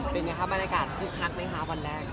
เป็นไงครับในรายการคืบพักวันแรก